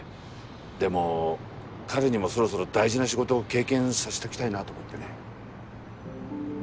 でも彼にもそろそろ大事な仕事を経験させときたいなと思ってね。